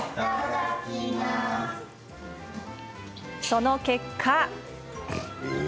その結果。